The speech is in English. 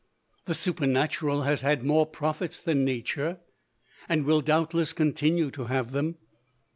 The Supernatural has had more prophets than Nature, and will doubtless continue to have them.